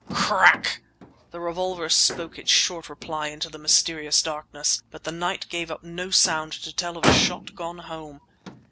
Crack! The revolver spoke its short reply into the mysterious darkness; but the night gave up no sound to tell of a shot gone home.